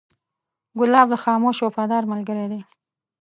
ګلاب د خاموش وفادار ملګری دی.